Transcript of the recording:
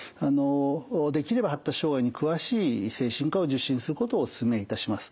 できれば発達障害に詳しい精神科を受診することをお勧めいたします。